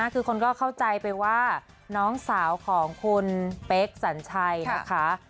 คือคนก็เข้าใจไปว่าน้องสาวของคุณเป๊กสัญชัยนะคะ